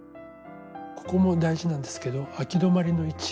ここも大事なんですけどあき止まりの位置。